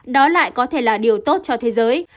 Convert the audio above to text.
đó lại có thể là điều tốt cho thế giới